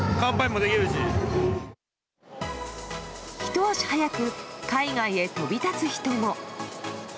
ひと足早く海外へ飛び立つ人も。